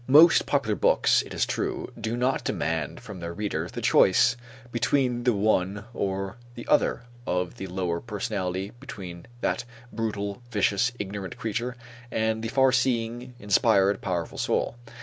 Most popular books, it is true, do not demand from their readers the choice between the one or the other type of the lower personality, between that brutal, vicious, ignorant creature and that far seeing, inspired, powerful soul.